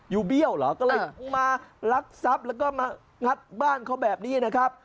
เบี้ยวเหรอก็เลยมาลักทรัพย์แล้วก็มางัดบ้านเขาแบบนี้นะครับ